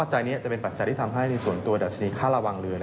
๒ปัจจัยนี้จะเป็นปัจจัยที่ทำให้ส่วนตัวดับชนิดค่าระวังเรือเนี่ย